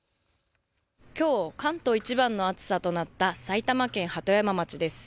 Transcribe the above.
きょう関東いちばんの暑さとなった埼玉県鳩山町です。